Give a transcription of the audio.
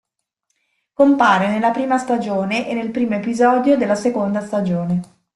Compare nella prima stagione e nel primo episodio della seconda stagione.